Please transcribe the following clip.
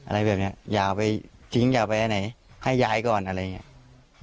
อะไรแบบนี้อย่าไปทิ้งอย่าไปอันไหนให้ย้ายก่อนอะไรอย่างนี้